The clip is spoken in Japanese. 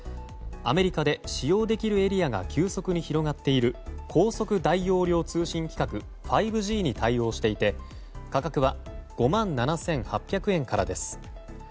アメリカで使用できるエリアが急速に広がっている高速大容量通信規格５Ｇに対応していて価格は５万７８００円からです。